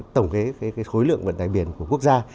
tổng kết khối lượng vận tải biển của quốc gia